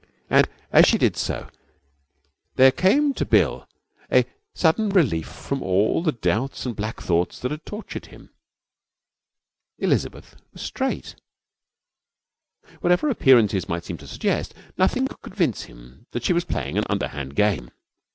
And as she did so there came to Bill a sudden relief from all the doubts and black thoughts that had tortured him. Elizabeth was straight. Whatever appearances might seem to suggest, nothing could convince him that she was playing an underhand game.